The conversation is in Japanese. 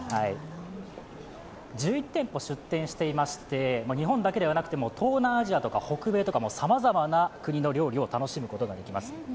１１店舗、出店していまして、日本だけでなく東南アジアとか北米とかさまざまな国の料理を楽しむことができます。